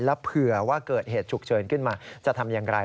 แล้วเผื่อว่าเกิดเหตุฉุกเฉินขึ้นมาจะทำอย่างไร